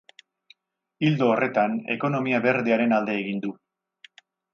Ildo horretan, ekonomia berdearen alde egin du.